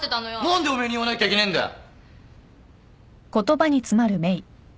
何でお前に言わなきゃいけねえんだよ。